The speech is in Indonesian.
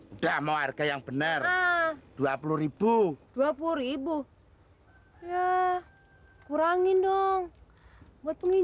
udah mau harga yang bener rp dua puluh dua puluh ya kurangin dong buat penginjauan nih yaa